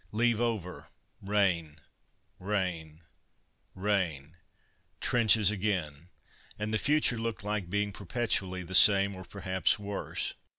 Leave over; rain, rain, rain; trenches again, and the future looked like being perpetually the same, or perhaps worse.